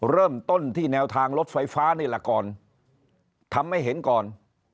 เริ่มต้นที่แนวทางรถไฟฟ้านี่แหละก่อนทำให้เห็นก่อน